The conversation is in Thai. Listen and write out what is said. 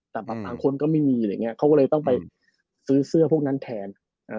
แต่บางคนก็ไม่มีอะไรอย่างเงี้เขาก็เลยต้องไปซื้อเสื้อพวกนั้นแทน